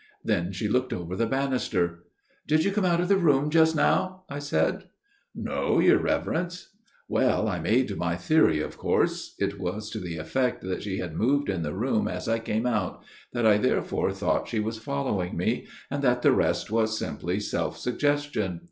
Then she looked over the banister. * Did you come out of the room just now ?' I said. "* No, your Reverence.* " 120 A MIRROR OF SHALOTT " Well ; I made my theory of course. It was to the effect that she had moved in the room as I came out, that I therefore thought she was following me, and that the rest was simply self suggestion.